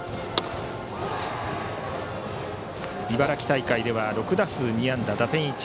茨城大会では６打数２安打打点１